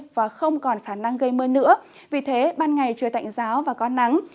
và không còn khả năng gây mưa nữa vì thế ban ngày trời tạnh giáo và có nắng